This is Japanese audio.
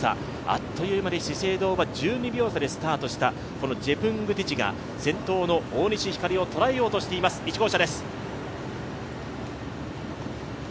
あっという間に資生堂は１２秒差でスタートしたジェプングティチが先頭の大西ひかりを捉えようとしています。